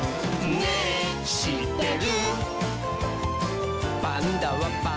「ねぇしってる？」